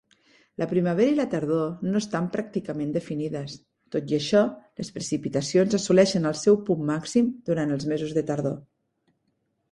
La primavera i la tardor no estan pràcticament definides; tot i això, les precipitacions assoleixen el seu punt màxim durant els mesos de tardor.